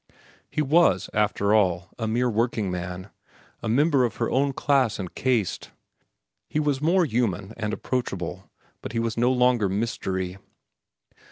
He was, after all, a mere workingman, a member of her own class and caste. He was more human and approachable, but, he was no longer mystery.